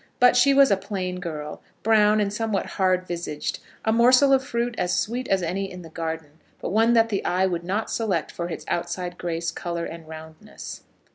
But she was a plain girl, brown, and somewhat hard visaged; a morsel of fruit as sweet as any in the garden, but one that the eye would not select for its outside grace, colour, and roundness.